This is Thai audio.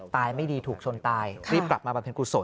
ตายไม่ดีถูกชนตายรีบกลับมาประเภทกุศล